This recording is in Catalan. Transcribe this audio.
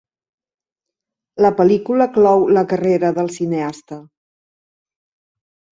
La pel·lícula clou la carrera del cineasta.